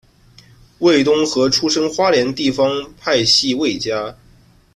魏东河出身花莲地方派系魏家。